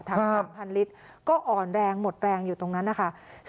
๓๐๐ลิตรก็อ่อนแรงหมดแรงอยู่ตรงนั้นนะคะ